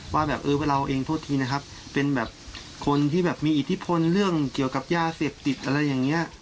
ว่าแบบเออเราเองโทษทีนะครับเป็นแบบคนที่แบบมีอิทธิพลเรื่องเกี่ยวกับยาเสพติดอะไรอย่างนี้